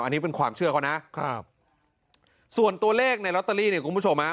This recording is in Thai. อันนี้เป็นความเชื่อเขานะครับส่วนตัวเลขในลอตเตอรี่เนี่ยคุณผู้ชมฮะ